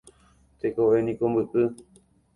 Tekovéniko mbyky